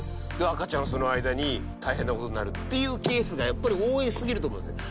赤ちゃんはその間に大変な事になるっていうケースがやっぱり多すぎると思うんですよ。